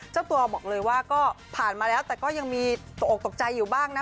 เจ้าตัวบอกเลยว่าก็ผ่านมาแล้วแต่ก็ยังมีตกออกตกใจอยู่บ้างนะ